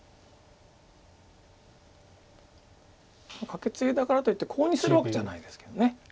カケツギだからといってコウにするわけじゃないですけど。